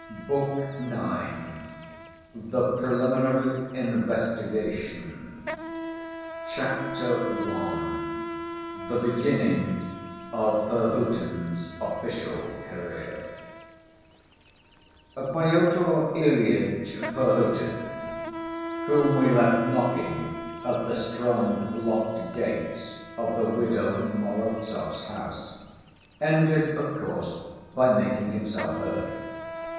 Book IX. The Preliminary Investigation Chapter I. The Beginning Of Perhotin's Official Career Pyotr Ilyitch Perhotin, whom we left knocking at the strong locked gates of the widow Morozov's house, ended, of course, by making himself heard.